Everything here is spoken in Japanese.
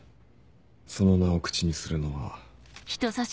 その名を口にするのは。